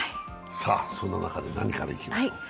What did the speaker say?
そんな中で何からいきますか。